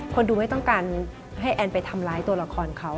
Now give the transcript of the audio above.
คนดูไม่ต้องการให้แอนไปทำร้ายตัวละครเขา